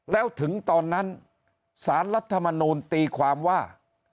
แล้วถึงตอนนั้นสารรัฐมนูลตีความว่า